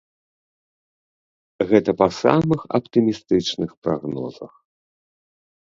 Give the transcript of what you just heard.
Гэта па самых аптымістычных прагнозах.